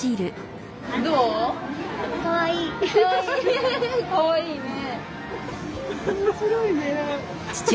かわいいね。